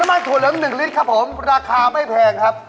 น้ำมันถั่วเริ่ม๑ลิตรครับผมราคาไม่แพงครับ